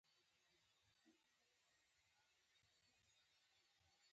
تاسو کله راغلئ او څومره وخت پاتې شوئ